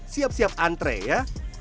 siap siap antre ya